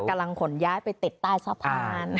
ขนย้ายไปติดใต้สะพาน